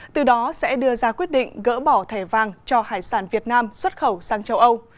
từ đó sẽ đưa ra quyết định gỡ bỏ thẻ vàng cho hải sản việt nam xuất khẩu sang châu âu